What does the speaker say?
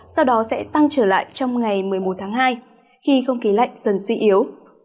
sau đó sẽ tăng trở lại trong ngày một mươi một tháng hai khi không khí lạnh dần suy yếu